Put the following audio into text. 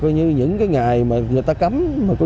những ngày người ta cấm